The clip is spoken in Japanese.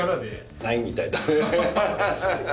ないみたいだね。